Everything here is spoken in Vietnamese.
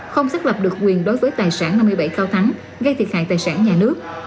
không xác lập được quyền đối với tài sản năm mươi bảy cao thắng gây thiệt hại tài sản nhà nước